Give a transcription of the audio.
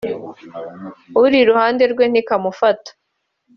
uri iruhande rwe ntikamufata”